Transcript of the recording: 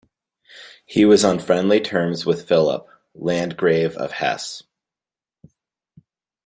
He was on friendly terms with Philip, landgrave of Hesse.